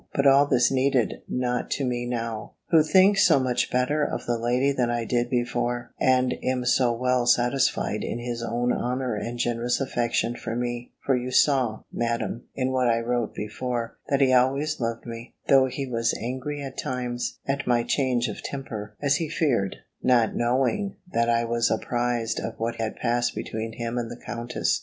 But all this needed not to me now, who think so much better of the lady than I did before; and am so well satisfied in his own honour and generous affection for me; for you saw, Madam, in what I wrote before, that he always loved me, though he was angry at times, at my change of temper, as he feared, not knowing that I was apprised of what had passed between him and the Countess.